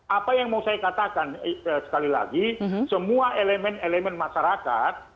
apa yang mau saya katakan sekali lagi semua elemen elemen masyarakat